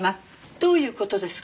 どういう事ですか？